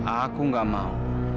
aku tidak mau